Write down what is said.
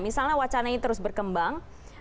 misalnya wacana ini terus berkembang